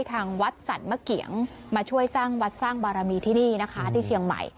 ทางวัดสรรมะเกียงมาช่วยสร้างวัดสร้างบารมีที่นี่นะคะที่เชียงใหม่